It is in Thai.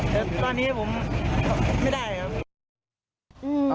แต่ตอนนี้ผมไม่ได้ครับ